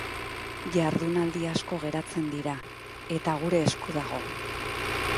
Jardunaldi asko geratzen dira, eta gure esku dago.